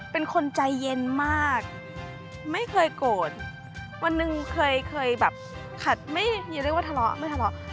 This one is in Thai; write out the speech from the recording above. เป็นคนใจเย็นมากไม่เคยโกรธวันหนึ่งเคยเคยแบบขัดไม่เรียกว่าทะเลาะไม่ทะเลาะ